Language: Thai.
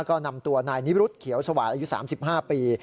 ก็นำตัวนายนิรุธเขียวสวาดอายุ๓๕ปี